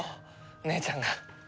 姉ちゃんが。